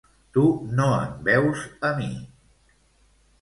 Tu no em veus a mi.